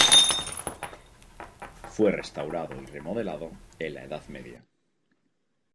Fue restaurado y remodelado en la Edad Media.